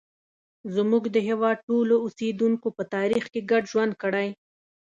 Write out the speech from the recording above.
زموږ د هېواد ټولو اوسیدونکو په تاریخ کې ګډ ژوند کړی.